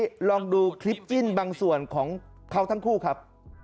ลองดูคลิปจิ้นบางส่วนของเขาทั้งคู่ครับ